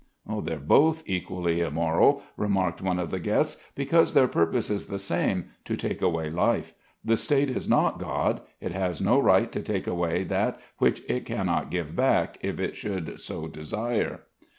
"They're both equally immoral," remarked one of the guests, "because their purpose is the same, to take away life. The State is not God. It has no right to take away that which it cannot give back, if it should so desire."